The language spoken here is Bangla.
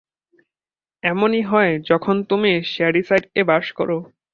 এমনই হয় যখন তুমি শ্যাডিসাইড এ বাস করো।